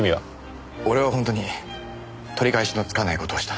俺は本当に取り返しのつかない事をした。